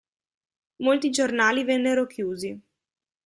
Molti giornali vennero chiusi.